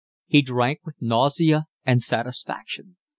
He drank with nausea and satisfaction.